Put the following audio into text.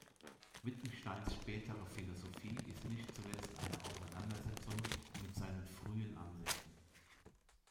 Wittgensteins spätere Philosophie ist nicht zuletzt eine Auseinandersetzung mit seinen frühen Ansichten.